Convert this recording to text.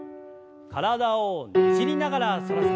体をねじりながら反らせて。